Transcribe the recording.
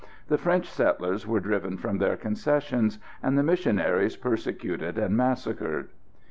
The French settlers were driven from their concessions, and the missionaries persecuted and massacred.